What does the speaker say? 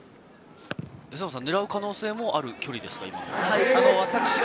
狙う可能性もある距離ですか？